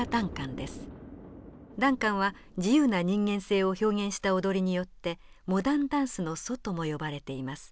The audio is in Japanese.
ダンカンは自由な人間性を表現した踊りによってモダンダンスの祖とも呼ばれています。